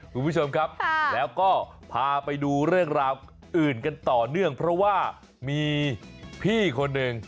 คุณผู้ชมครับแล้วก็พาไปดูเรื่องราวอื่นกันต่อเนื่องเพราะว่ามีพี่คนหนึ่ง